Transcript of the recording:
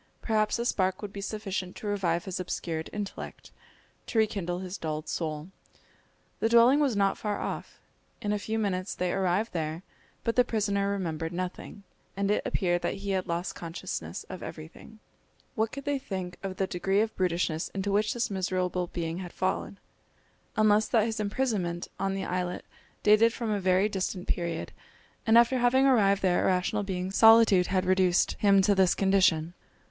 Perhaps a spark would be sufficient to revive his obscured intellect, to rekindle his dulled soul. The dwelling was not far off. In a few minutes they arrived there, but the prisoner remembered nothing, and it appeared that he had lost consciousness of everything. What could they think of the degree of brutishness into which this miserable being had fallen, unless that his imprisonment on the islet dated from a very distant period, and after having arrived there a rational being solitude had reduced him to this condition.